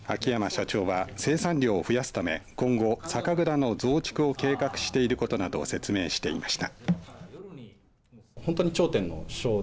秋山社長は生産量を増やすため今後酒蔵の増築を計画していることなどを説明していました。